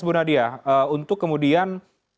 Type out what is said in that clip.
bu nadia untuk kemudian